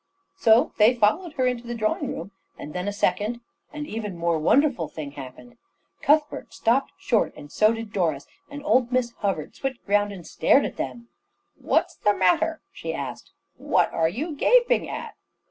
So they followed her into the drawing room, and then a second, and even more wonderful, thing happened. Cuthbert stopped short, and so did Doris, and old Miss Hubbard switched round and stared at them. "What's the matter?" she asked. "What are you gaping at?"